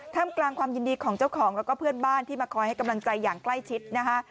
กลางความยินดีของเจ้าของแล้วก็เพื่อนบ้านที่มาคอยให้กำลังใจอย่างใกล้ชิดนะคะ